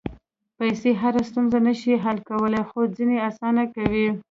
پېسې هره ستونزه نه شي حل کولی، خو ځینې اسانه کوي.